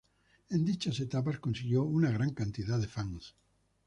En dichas etapas consiguió una gran cantidad de fans.